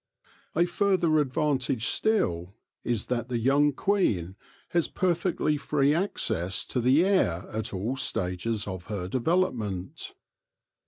A further advantage still is that the young queen has perfectly free access to the air at all stages of her development.